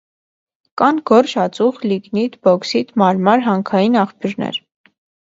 Կան գորշ ածուխ, լիգնիտ, բոքսիտ, մարմար, հանքային աղբյուրներ։